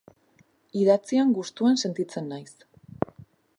Idatzian gustuan sentitzen naiz.